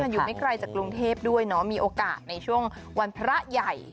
อยู่ไม่ไกลจากกรุงเทพด้วยเนาะมีโอกาสในช่วงวันพระใหญ่